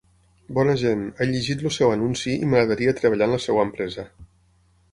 Bona gent, he llegit el seu anunci i m'agradaria treballar en la seva empresa.